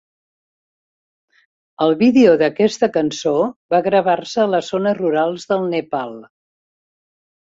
El vídeo d'aquesta cançó va gravar-se a les zones rurals del Nepal.